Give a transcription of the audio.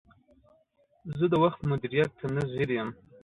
زه د وخت مدیریت ته نه ځیر یم.